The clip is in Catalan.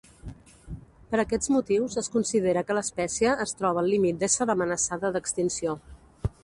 Per aquests motius es considera que l'espècie es troba al límit d'ésser amenaçada d'extinció.